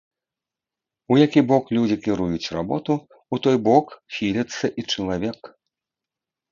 У які бок людзі кіруюць работу, у той бок хіліцца і чалавек.